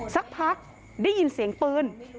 สักพักได้ยินเสียงปืน